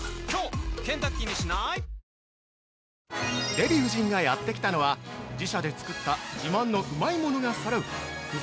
◆デヴィ夫人がやってきたのは自社で作った自慢のうまいものがそろう久世